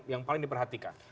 yang paling diperhatikan